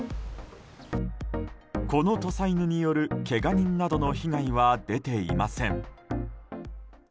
この土佐犬による、けが人などの被害は出ていません。